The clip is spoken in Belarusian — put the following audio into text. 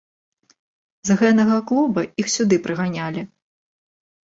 З гэнага клуба іх сюды прыганялі.